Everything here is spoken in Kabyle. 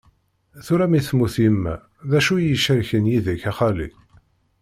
Tura mi temmut yemma, d acu i yi-icerken yid-k, a xali?